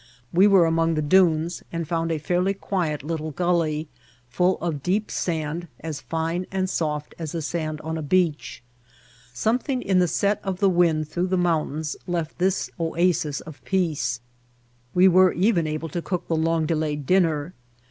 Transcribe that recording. We were among the dunes and found a fairly quiet little gully full of deep sand as fine and soft as the sand on a beach. Some thing in the set of the wind through the moun tains left this oasis of peace. We were even able to cook the long delayed dinner.